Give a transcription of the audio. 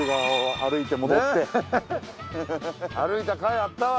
歩いたかいあったわ。